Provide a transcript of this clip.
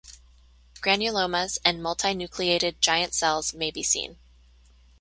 Granulomas and multinucleated giant cells may be seen.